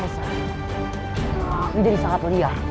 kenapa aku jadi sangat liar